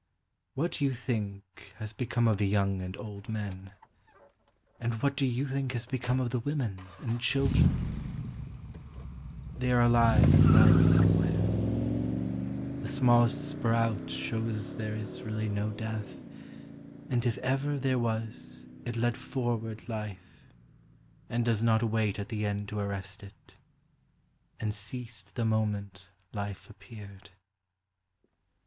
What do you think has become of the young and old men? And what do you think has become of the women and children ? They are alive and well somewhere, The smallest sprout shows there is really no death, And if ever there was it led forward life, and does not wait at the end to arrest it, And ceased the moment life appeared.